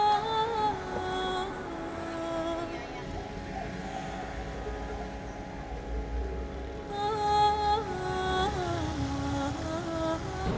masjid langgar tinggi